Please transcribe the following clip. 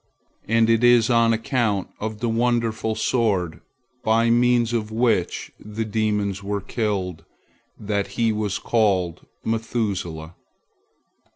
And it is on account of the wonderful sword by means of which the demons were killed that he was called Methuselah.